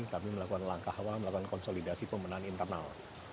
kami melakukan langkah awal melakukan konsolidasi pemenahan internal